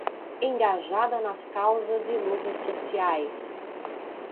Engajada nas causas e lutas sociais